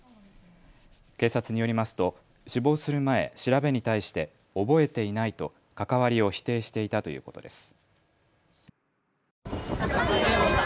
警察によりますと死亡する前、調べに対して覚えていないと関わりを否定していたということです。